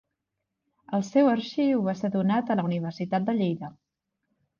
El seu arxiu va ser donat a la Universitat de Lleida.